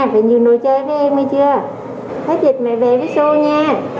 và những nỗi nhớ niềm thương cũng phần nào được sang sẻ